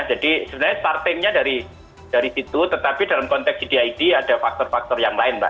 jadi sebenarnya startingnya dari situ tetapi dalam konteks gdig ada faktor faktor yang lain mbak